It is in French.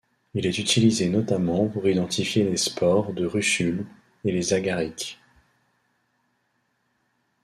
Il est utilisé notamment pour identifier les spores de russules et les agarics.